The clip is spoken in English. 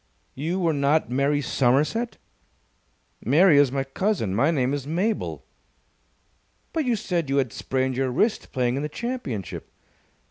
"You were not Mary Somerset?" "Mary is my cousin. My name is Mabel." "But you said you had sprained your wrist playing in the championship."